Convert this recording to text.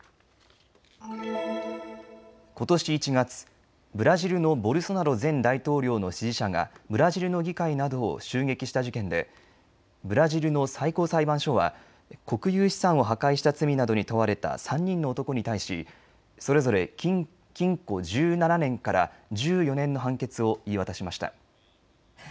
ことし１月、ブラジルのボルソナロ前大統領の支持者がブラジルの議会などを襲撃した事件でブラジルの最高裁判所は国有資産を破壊した罪などに問われた３人の男に対しそれぞれ禁錮１７年から１４年の判決を言い渡しました。